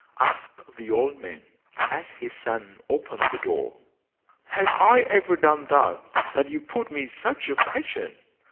asked the old man, as his son opened the door. 'Have I ever done that, that you put me such a question?